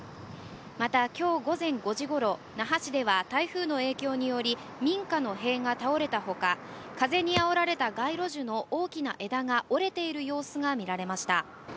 また今日午前５時ごろ、那覇市では台風の影響により民家の塀が倒れたほか、風にあおられた街路樹の大きな枝が折れている様子が見られました。